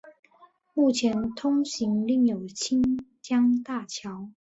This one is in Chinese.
目前通行另有清江大桥。